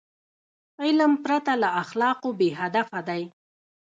علم پرته له اخلاقو بېهدفه دی.